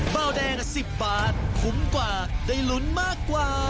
เบาแดง๑๐บาทคุ้มกว่าได้ลุ้นมากกว่า